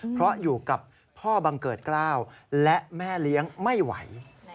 เพราะอยู่กับพ่อบังเกิดกล้าวและแม่เลี้ยงไม่ไหว